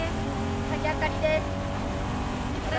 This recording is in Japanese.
矢作あかりです。